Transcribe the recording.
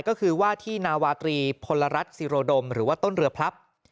ก็คือว่าที่นาวาตรีพลรัฐศิโรดมหรือว่าต้นเรือพลับ